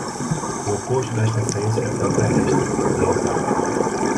O oposto desta essência é o terrestre, o mortal.